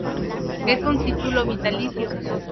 Es un título vitalicio.